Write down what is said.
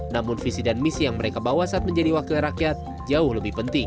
namun visi dan misi yang mereka bawa saat menjadi wakil rakyat jauh lebih penting